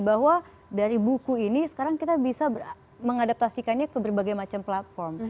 bahwa dari buku ini sekarang kita bisa mengadaptasikannya ke berbagai macam platform